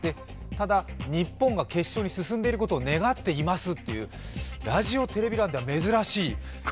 ただ、日本が決勝に進んでいることを願っていますというラジオ・テレビ欄では珍しい。